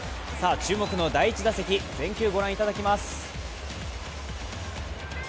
注目の第１打席全球、ご覧いただきます。